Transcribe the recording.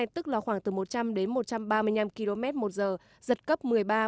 tức là khoảng từ một trăm linh đến một trăm ba mươi năm km một giờ giật cấp một mươi ba một mươi bốn